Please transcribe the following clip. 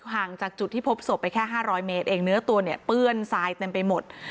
ห่างจากจุดที่พบศพไปแค่๕๐๐เมตรเองเนื้อตัวเนี่ยเปื้อนทรายเต็มไปหมด